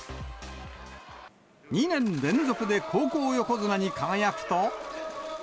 ２年連続で高校横綱に輝くと。